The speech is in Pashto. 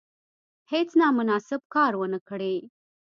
هیڅ نامناسب کار ونه کړي.